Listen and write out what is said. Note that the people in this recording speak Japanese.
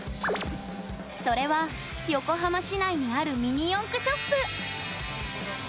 それは、横浜市内にあるミニ四駆ショップ。